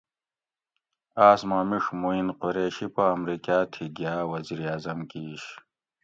آۤس ما میڛ مُعین قریشی پا امریکاۤ تھی گیاۤ وزیراعظم کِیش